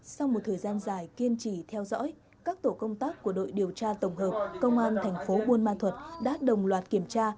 sau một thời gian dài kiên trì theo dõi các tổ công tác của đội điều tra tổng hợp công an thành phố buôn ma thuật đã đồng loạt kiểm tra